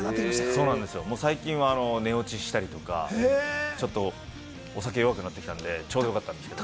最近は寝落ちしたりとか、ちょっとお酒弱くなってきたんで、ちょうどよかったんですけれども。